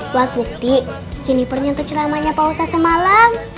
buat bukti jenipernya ke ceramahnya pak ustaz semalam